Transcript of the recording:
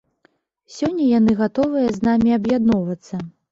Сёння яны гатовыя з намі аб'ядноўвацца.